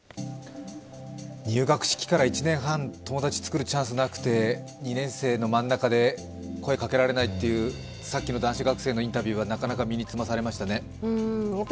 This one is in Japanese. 入学式から１年半友達を作るチャンスがなくて２年生の真ん中で声をかけられないというさっきの男子学生のインタビューはなかなか身につまされましたね。